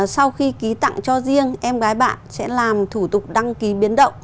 sau khi ký tặng cho riêng em gái bạn sẽ làm thủ tục đăng ký biến động